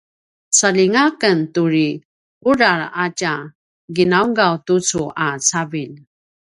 saljinga aken turi kudral a tja ginaugaw tucu a cavilj